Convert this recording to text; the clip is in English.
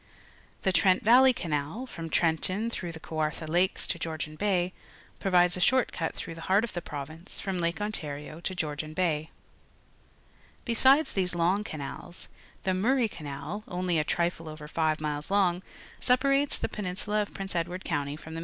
The Trent Valley Canal, from Trenton tlirough the Kaicartha Lakes to Georgian Bay, provides a short cut through the heart of the province from Lake Ontario to Georgian Bay. Besides these long canals, ■<, Fiiclorij rail\\;i\"s, A Freighter on the Great Lakes the Murray Canal, only a trifle over flve miles long, separates the peninsula of Prince JldHardJUaunty. from the.